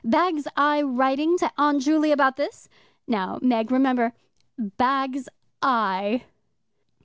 Bags I writing to Aunt Juley about this. Now, Meg, remember bags I."